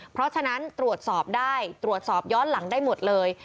เพราะฉะนั้นตรวจสอบได้ตรวจสอบย้อนหลังได้หมดเลย